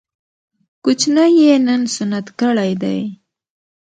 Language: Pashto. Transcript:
کوچنی يې نن سنت کړی دی